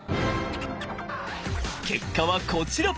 結果はこちら。